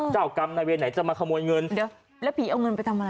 เดี๋ยวแล้วผีเอาเงินไปทำอะไร